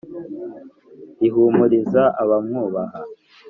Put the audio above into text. rihumuriza abamwubaha